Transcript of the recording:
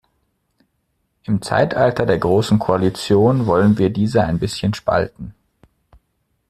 Im Zeitalter der großen Koalition wollen wir diese ein bisschen spalten.